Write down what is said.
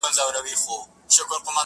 o په کور کي نه کورت، نه پياز، ارږى د واز!